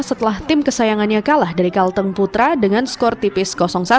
setelah tim kesayangannya kalah dari kalteng putra dengan skor tipis satu